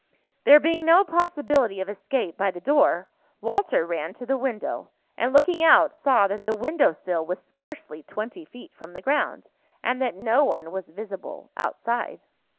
There being no possibility of escape by the door, Walter ran to the window, and looking out, saw that the window sill was scarcely twenty feet from the ground, and that no one was visible outside.